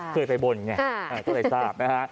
เคยไปบนอย่างนี้ก็เลยทราบนะฮะ